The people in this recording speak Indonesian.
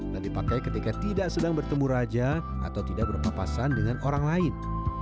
dan dipakai ketika tidak sedang bertemu raja atau tidak berpapasan dengan orang lain